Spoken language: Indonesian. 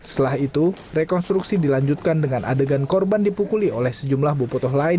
setelah itu rekonstruksi dilanjutkan dengan adegan korban dipukuli oleh sejumlah bobotoh lain